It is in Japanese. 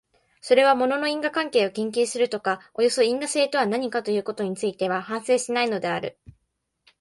それは物の因果関係を研究するか、およそ因果性とは何かということについては反省しないのである。